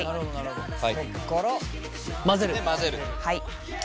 はい。